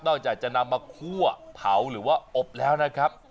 จากจะนำมาคั่วเผาหรือว่าอบแล้วนะครับ